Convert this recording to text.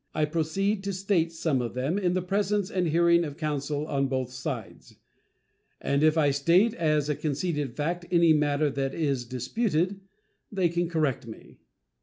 I proceed to state some of them in the presence and hearing of counsel on both sides; and if I state as a conceded fact any matter that is disputed, they can correct me.